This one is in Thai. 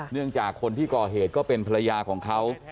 เนื่องจากคนที่ก่อเหตุก็เป็นภรรยาของเขา